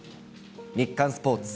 日刊スポーツ。